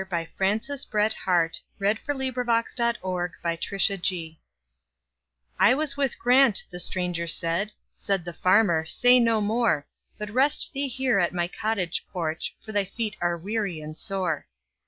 By Francis BretHarte 748 The Aged Stranger "I WAS with Grant"—the stranger said; Said the farmer, "Say no more, But rest thee here at my cottage porch, For thy feet are weary and sore."